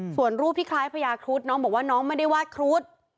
ส่วนรูปที่คล้ายพญาครุฑน้องบอกว่าน้องไม่ได้วาดครุฑ